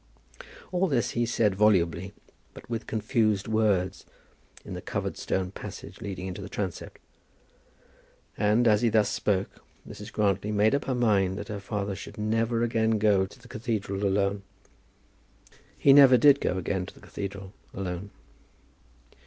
All this he said volubly, but with confused words, in the covered stone passage leading into the transept. And, as he thus spoke, Mrs. Grantly made up her mind that her father should never again go to the cathedral alone. He never did go again to the cathedral, alone.